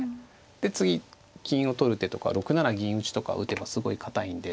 で次金を取る手とか６七銀打とか打てばすごい堅いんで。